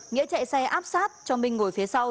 nghĩa chạy xe áp sát cho minh ngồi phía sau